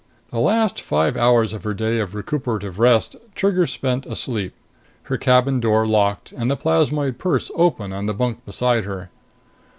The last five hours of her day of recuperative rest Trigger spent asleep, her cabin door locked and the plasmoid purse open on the bunk beside her.